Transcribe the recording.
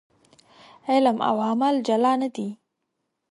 علم او عمل جلا نه دي.